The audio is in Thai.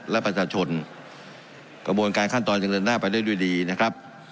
และประชาชนกระบวนการขั้นตอนจะเดินหน้าไปได้ด้วยดีนะครับ